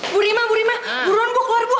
bu rima bu rima buruan bu keluar bu